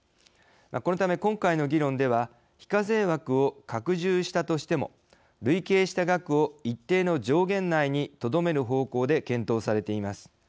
このため、今回の議論では非課税枠を拡充したとしても累計した額を一定の上限内にとどめる方向で検討されています。